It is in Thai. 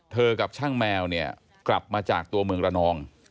กับช่างแมวเนี่ยกลับมาจากตัวเมืองระนอง